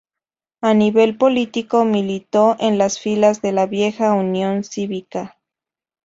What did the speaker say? A nivel político, militó en las filas de la vieja Unión Cívica.